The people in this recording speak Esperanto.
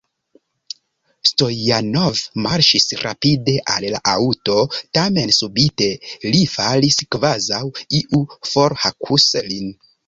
Stojanov marŝis rapide al la aŭto, tamen subite li falis, kvazaŭ iu forhakus lin.